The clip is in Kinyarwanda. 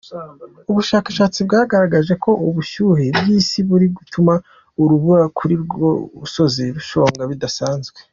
Ubushakashatsi bwagaragaje ko ubushyuhe bw’isi buri gutuma urubura kuri uwo musozi rushonga bidasanzwe.